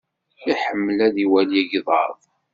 Iḥemmel ad iwali igḍaḍ.